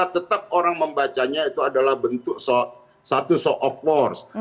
tetap orang membacanya itu adalah bentuk satu show of force